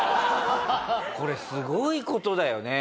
これすごい事だよね。